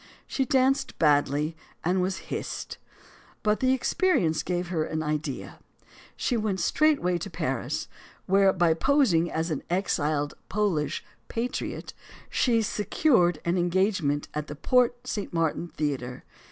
She danced badly and was hissed. But the experience gave her an idea. She went straightway to Paris, where, by posing as an exiled Polish patriot, she secured an engagement LOLA MONTEZ at the Porte St. Martin Theater.